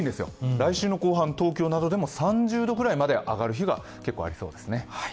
来週の後半、東京などでも３０度ぐらいまで上がる日がありそうです。